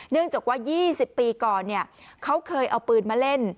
เนื่องจากว่า๒๐ปีก่อนเนี่ยเขาเคยเอาปืนมาเล่น